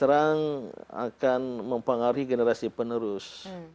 terang akan mempengaruhi generasi penerus